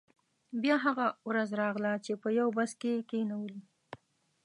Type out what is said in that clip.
بیا هغه ورځ راغله چې په یو بس کې یې کینولو.